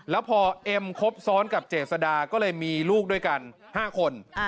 แล้วพอเอ็มครบซ้อนกับเจษดาก็เลยมีลูกด้วยกัน๕คน